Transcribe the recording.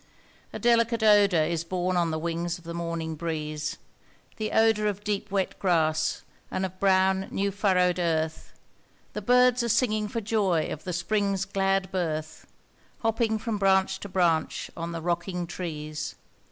A delicate odour is borne on the wings of the morning breeze, The odour of deep wet grass, and of brown new furrowed earth, The birds are singing for joy of the Spring's glad birth, Hopping from branch to branch on the rocking trees.